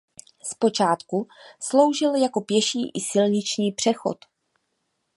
Zpočátku sloužil jako pěší i silniční přechod.